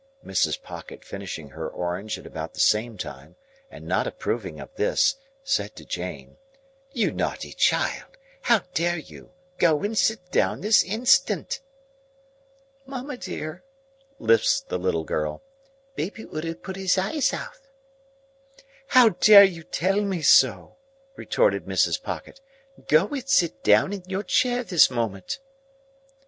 Mrs. Pocket finishing her orange at about the same time, and not approving of this, said to Jane,— "You naughty child, how dare you? Go and sit down this instant!" "Mamma dear," lisped the little girl, "baby ood have put hith eyeth out." "How dare you tell me so?" retorted Mrs. Pocket. "Go and sit down in your chair this moment!"